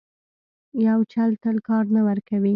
یو چل تل کار نه ورکوي.